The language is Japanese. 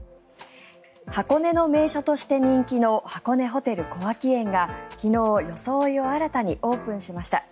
箱根の名所として人気の箱根ホテル小涌園が昨日、装いを新たにオープンしました。